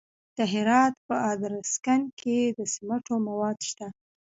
د هرات په ادرسکن کې د سمنټو مواد شته.